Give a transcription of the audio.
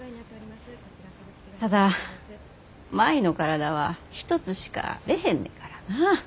ただ舞の体は一つしかあれへんねからな。